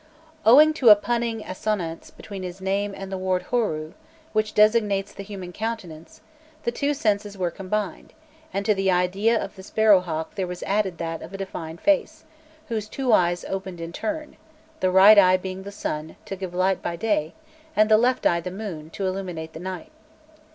Owing to a punning assonance between his name and the word horû, which designates the human countenance, the two senses were combined, and to the idea of the sparrow hawk there was added that of a divine face, whose two eyes opened in turn, the right eye being the sun, to give light by day, and the left eye the moon, to illumine the night.